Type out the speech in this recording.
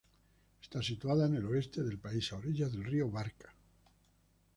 Está situada en el oeste del país, a orillas del río Barka.